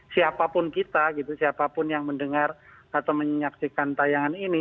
siapapun kita gitu siapapun yang mendengar atau menyaksikan tayangan ini